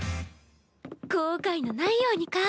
後悔のないようにか。